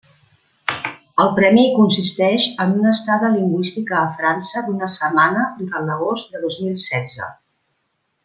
El premi consisteix en una estada lingüística a França d'una setmana durant l'agost de dos mil setze.